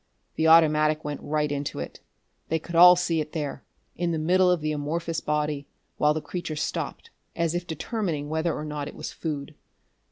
The automatic went right into it. They could all see it there, in the middle of the amorphous body, while the creature stopped, as if determining whether or not it was food.